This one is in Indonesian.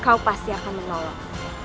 kau pasti akan menolong